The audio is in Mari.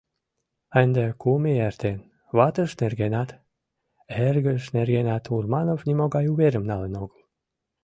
Ынде кум ий эртен, ватыж нергенат, эргыж нергенат Урманов нимогай уверым налын огыл.